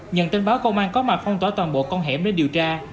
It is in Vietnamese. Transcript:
nhận tin báo công an có mặt phong tỏa toàn bộ con hẻm để điều tra